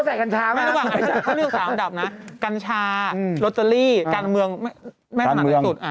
ไอท์สองนังช่านังการเมือง